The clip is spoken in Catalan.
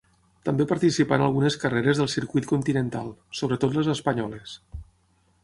També participà en algunes carreres del Circuit Continental, sobretot les espanyoles.